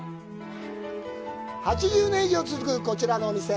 ８０年以上続くこちらのお店。